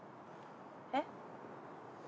えっ？